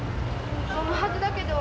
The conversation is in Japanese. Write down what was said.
そのはずだけど。